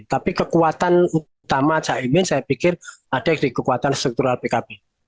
tapi kekuatan utama caimin saya pikir ada di kekuatan struktural pkb